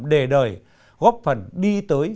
đề đời góp phần đi tới